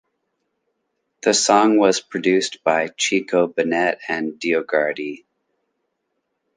The song was produced by Chico Bennett and DioGuardi.